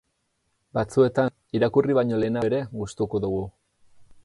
Batzuetan irakurri baino lehenago ere gustuko dugu.